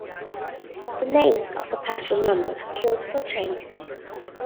The names of the patrol members killed were changed.